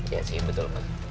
iya sih betul pak